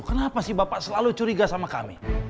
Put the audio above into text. kenapa sih bapak selalu curiga sama kami